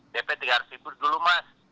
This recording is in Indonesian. dp tiga ratus ribu dulu mas